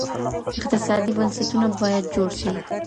اقتصادي بنسټونه باید جوړ سي.